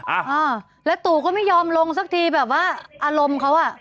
อ่าอ่าแล้วตู่ก็ไม่ยอมลงสักทีแบบว่าอารมณ์เขาอ่ะ